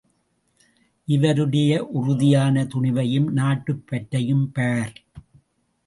இவருடைய உறுதியான துணிவையும் நாட்டுப் பற்றையும் பார்!